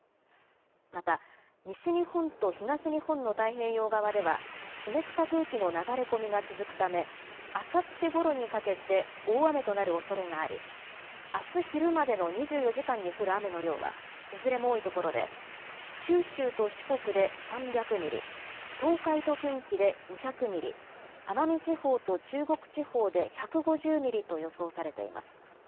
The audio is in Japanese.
また西日本と東日本の太平洋側では湿った空気の流れ込みが続くため、あさってごろにかけて大雨となるおそれがありあす昼までの２４時間に降る雨の量はいずれも多いところで九州と四国で３００ミリ、東海と近畿で２００ミリ、奄美地方と中国地方で１５０ミリと予想されています。